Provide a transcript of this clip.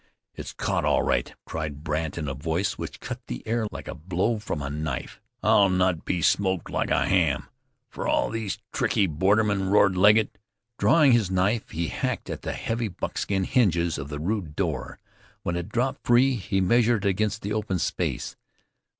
"It's caught all right," cried Brandt in a voice which cut the air like a blow from a knife. "I'll not be smoked like a ham, fer all these tricky bordermen," roared Legget. Drawing his knife he hacked at the heavy buckskin hinges of the rude door. When it dropped free he measured it against the open space.